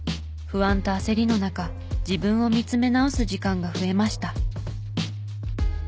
不安と焦りの中自分を見つめ直す時間が増えました。